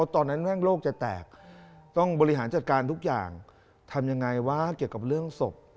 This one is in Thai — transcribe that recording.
ทำอย่างไรว่าเกี่ยวกับเรื่องศพ